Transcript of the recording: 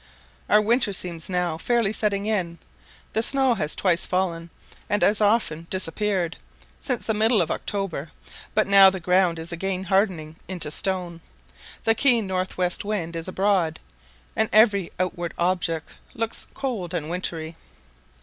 Our winter seems now fairly setting in: the snow has twice fallen, and as often disappeared, since the middle of October; but now the ground is again hardening into stone; the keen north west wind is abroad; and every outward object looks cold and wintry.